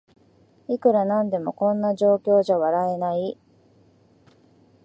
いくらなんでもこんな状況じゃ笑えない